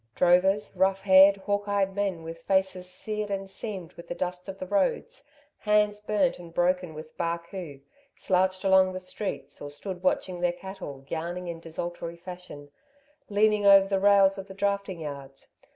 Drovers, rough haired, hawk eyed men, with faces seared and seamed with the dust of the roads, hands burnt, and broken with barcoo, slouched along the streets, or stood watching their cattle, yarning in desultory fashion, leaning over the rails of the drafting yards.